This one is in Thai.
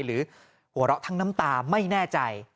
หรือหัวเราะทั้งน้ำตาไม่แน่ใจ